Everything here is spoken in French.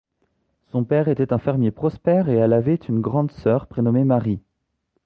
Son père était un fermier prospère et elle avait une grande sœur prénommée Mary.